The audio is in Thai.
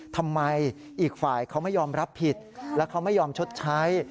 ทำไมอีกฝ่ายเขาไม่ยอมรับผิดและเขาไม่ยอมชดใช้